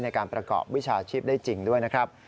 ในการประกอบวิชาชีพได้จริงด้วยนะครับ